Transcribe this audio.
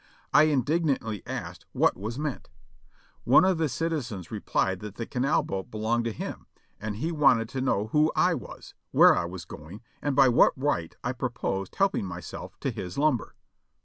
I indignantly asked what was meant. One of the citizens replied that the canal boat belonged to him, and he wanted to know who I was, where I was going, and by what right I proposed helping myself to his lumber.